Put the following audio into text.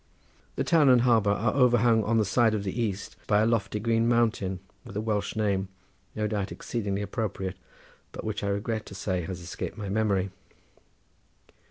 The town and harbour are overhung on the side of the east by a lofty green mountain with a Welsh name, no doubt exceedingly appropriate, but which I regret to say has escaped my memory.